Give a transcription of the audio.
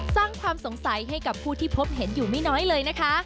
สร้างความสงสัยให้กับผู้ที่พบเห็นอยู่ไม่น้อยเลยนะคะ